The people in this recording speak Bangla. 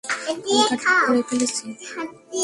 তালিকা ঠিক করে ফেলেছি।